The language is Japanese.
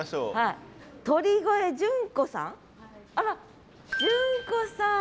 あら淳子さん。